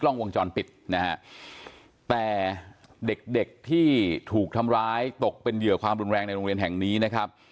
ลวงจรปิดนะฮะแต่เด็กเด็กที่ถูกทำร้ายตกเป็นเหยื่อความรุนแรงในโรงเรียนแห่งนี้นะครับ